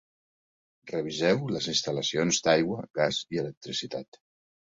Reviseu les instal·lacions d'aigua, gas i electricitat.